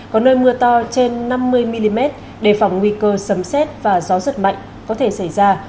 có nơi mưa to trên năm mươi mm đề phòng nguy cơ sấm xét và gió giật mạnh có thể xảy ra